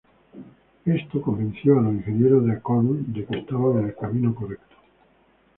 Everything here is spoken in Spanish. Esto convenció a los ingenieros de Acorn de que estaban en el camino correcto.